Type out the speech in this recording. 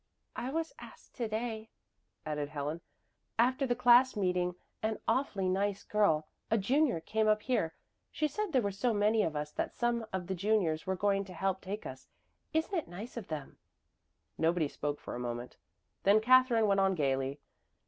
"I was asked to day," added Helen. "After the class meeting an awfully nice girl, a junior, came up here. She said there were so many of us that some of the juniors were going to help take us. Isn't it nice of them?" Nobody spoke for a moment; then Katherine went on gaily.